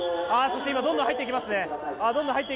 どんどん入っていきます！